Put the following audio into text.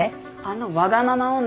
あのわがまま女